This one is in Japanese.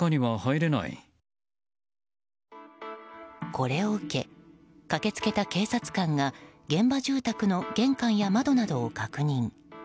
これを受け駆け付けた警察官が現場住宅の玄関や窓などを確認。